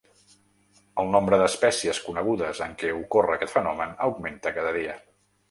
El nombre d’espècies conegudes en què ocorre aquest fenomen augmenta cada dia.